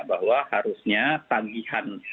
bahwa harusnya tagihan